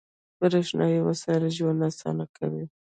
• برېښنايي وسایل ژوند اسانه کوي.